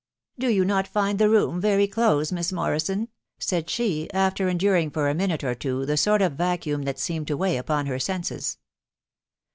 " Do you not find the room very close, Miss Morrison ?" said she, after enduring for a minute or two the sort of vacuum that seemed to weigh upon her senses.